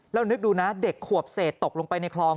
แล้วนึกดูนะเด็กขวบเศษตกลงไปในคลอง